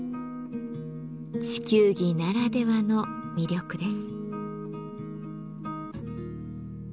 地球儀ならではの魅力です。